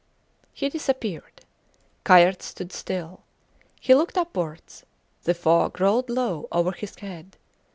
He disappeared. Kayerts stood still. He looked upwards; the fog rolled low over his head.